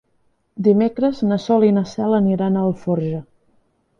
Dimecres na Sol i na Cel aniran a Alforja.